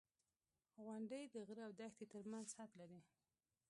• غونډۍ د غره او دښتې ترمنځ حد دی.